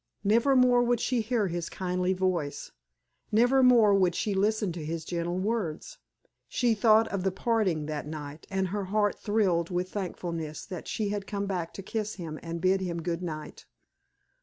Never more would she hear his kindly voice, never more would she listen to his gentle words. She thought of the parting that night, and her heart thrilled with thankfulness that she had come back to kiss him and bid him good night.